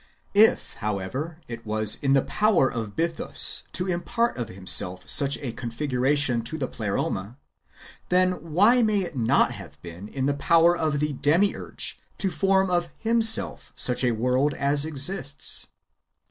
If, however, it was in the power of Bythus to impart of himself such a confi guration to the Pleroma, tlien why may it not have been in the power of the Demiurge to form of himself such a world as exists